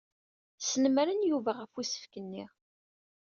Snemmren Yuba ɣef usefk-nni.